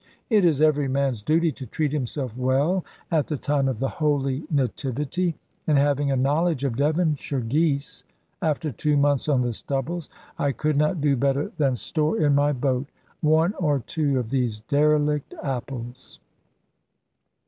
It is every man's duty to treat himself well at the time of the Holy Nativity; and having a knowledge of Devonshire geese, after two months on the stubbles, I could not do better than store in my boat one or two of these derelict apples.